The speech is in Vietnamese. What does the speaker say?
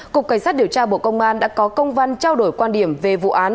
cục cảnh sát điều tra bộ công an đã có công văn trao đổi quan điểm về vụ án